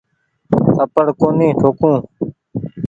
ٿپڙ ڪونيٚ ٺوڪون ۔